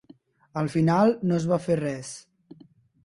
Al final no es va fer res.